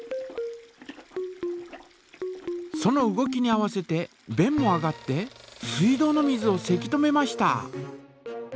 その動きに合わせてべんも上がって水道の水をせき止めました！